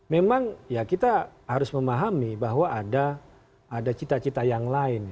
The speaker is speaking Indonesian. memang ya kita harus memahami bahwa ada cita cita yang lain